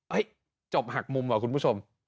เอ้ยจบหักมุมว่ะคุณผู้ชม